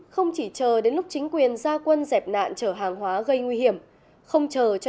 không chỉ chờ